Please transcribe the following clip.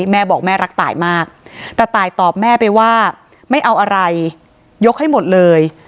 แม่บอกแม่รักตายมากแต่ตายตอบแม่ไปว่าไม่เอาอะไรยกให้หมดเลย